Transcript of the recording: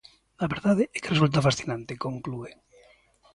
"A verdade é que resulta fascinante", conclúe.